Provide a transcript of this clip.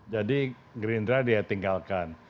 jadi gerindra dia tinggalkan